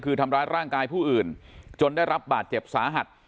คือทำร้ายร่างกายผู้อื่นจนได้รับบาดเจ็บสาหัส